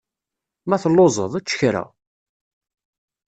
Ma telluẓeḍ, ečč kra.